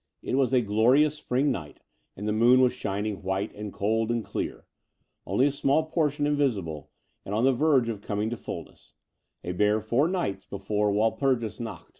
It was a glorious spring night, and the moon was shining white and clear and cold, only a small portion invisible, and on the verge of coming to fulness — a, bare four nights before Wal purgis Nacht.